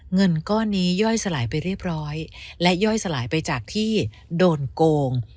เงินก้อนนี้ย่อยสลายไปเรียบร้อยและย่อยสลายไปจากที่โดนโกง